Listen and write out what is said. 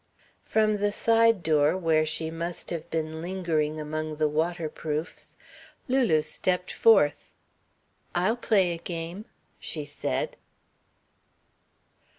From the side door, where she must have been lingering among the waterproofs, Lulu stepped forth. "I'll play a game," she said.